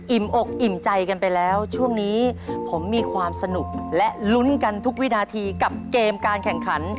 อกอิ่มใจกันไปแล้วช่วงนี้ผมมีความสนุกและลุ้นกันทุกวินาทีกับเกมการแข่งขัน